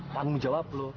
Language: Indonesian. tanggung jawab lu